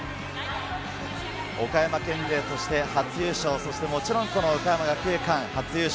岡山県勢として初優勝、そしてもちろん岡山学芸館、初優勝。